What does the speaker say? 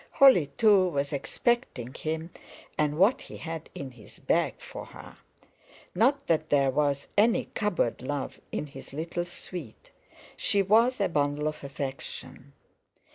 Holly, too, was expecting him, and what he had in his bag for her. Not that there was any cupboard love in his little sweet—she was a bundle of affection.